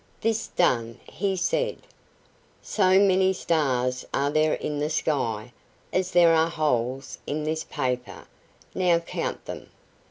This done, he said: "So many stars are there in the sky as there are holes in this paper; now count them."